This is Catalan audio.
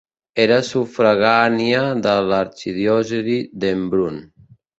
Era sufragània de l'arxidiòcesi d'Embrun.